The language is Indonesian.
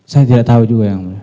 saya tidak tahu juga yang mulia